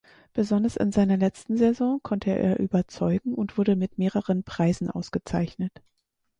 Besonders in seiner letzten Saison konnte er überzeugen und wurde mit mehreren Preisen ausgezeichnet.